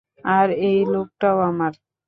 আর এই লুকটাও আমার।